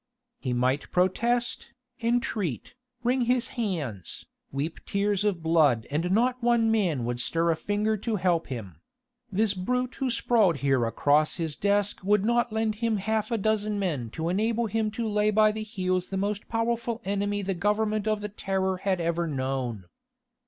He might protest, entreat, wring his hands, weep tears of blood and not one man would stir a finger to help him: this brute who sprawled here across his desk would not lend him half a dozen men to enable him to lay by the heels the most powerful enemy the Government of the Terror had ever known.